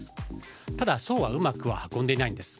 ただ、そうはうまく運んでいないんです。